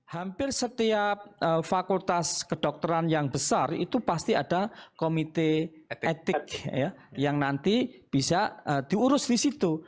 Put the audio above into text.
hampir setiap fakultas kedokteran yang besar itu pasti ada komite etik yang nanti bisa diurus di situ